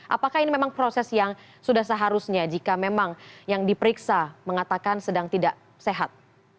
apakah ini memang proses yang sudah seharusnya jika memang yang diperiksa mengatakan sedang tidak sehat